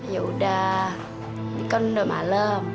yaudah ini kan udah malem